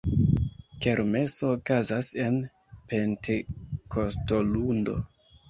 Kermeso okazas en Pentekostolundo.